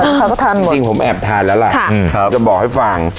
ลูกค้าก็ทานหมดจริงจริงผมแอบทานแล้วแหละค่ะอืมครับจะบอกให้ฟัง